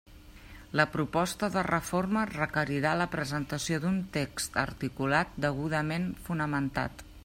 La proposta de reforma requerirà la presentació d'un text articulat degudament fonamentat.